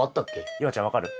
夕空ちゃん分かる？